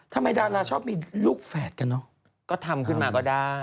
ดาราชอบมีลูกแฝดกันเนอะก็ทำขึ้นมาก็ได้